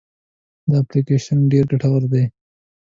دا اپلیکیشن ډېر ګټور دی.